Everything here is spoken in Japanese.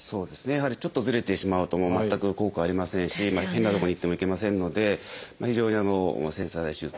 やはりちょっとずれてしまうと全く効果ありませんし変なとこに行ってもいけませんので非常に繊細な手術。